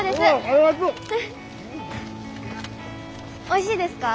おいしいですか？